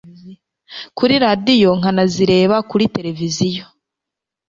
kuri radiyo nkanazireba kuri tereviziyo.